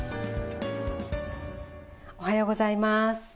おはようございます。